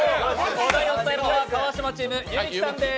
お題を伝えるのは川島チーム、弓木さんです。